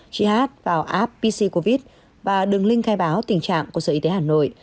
chị hát vào app pccovid và đường link khai báo tình trạng của sở y tế hà nội